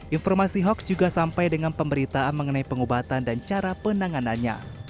informasi hoax juga sampai dengan pemberitaan mengenai pengobatan dan cara penanganannya